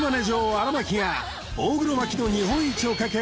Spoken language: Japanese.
荒牧が大黒摩季の日本一をかけ